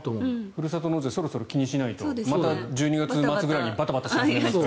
ふるさと納税そろそろ気にしないとまた１２月末ぐらいにバタバタし始めると。